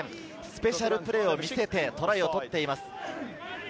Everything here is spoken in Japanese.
スペシャルプレーを見せてトライを取っています。